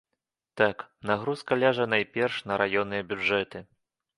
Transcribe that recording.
Так, нагрузка ляжа найперш на раённыя бюджэты.